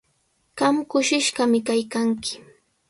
Qam kushishqami kaykanki.